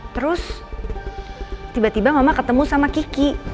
terus tiba tiba mama ketemu sama kiki